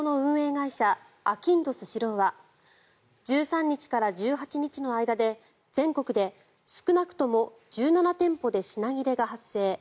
会社あきんどスシローは１３日から１８日の間で全国で少なくとも１７店舗で品切れが発生。